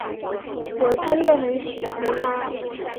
我真的很喜欢他。